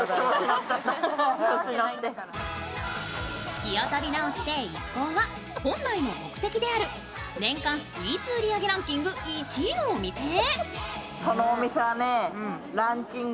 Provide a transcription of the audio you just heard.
気を取り直して一行は本来の目的である年間スイーツランキング売り上げ１位のお店へ。